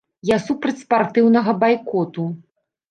Я супраць спартыўнага байкоту.